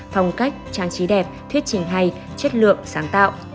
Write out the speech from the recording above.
phong cách trang trí đẹp thuyết trình hay chất lượng sáng tạo